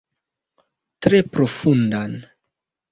Tre profundan.